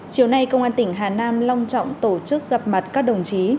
chiều nay công an tỉnh hà nam long trọng tổ chức gặp mặt các đồng chí